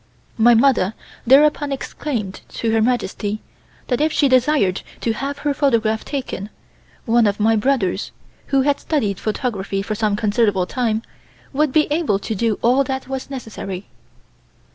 My mother thereupon explained to Her Majesty that if she desired to have her photograph taken, one of my brothers, who had studied photography for some considerable time, would be able to do all that was necessary.